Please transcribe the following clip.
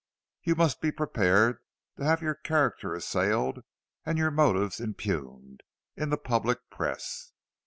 You must be prepared to have your character assailed, and your motives impugned in the public press.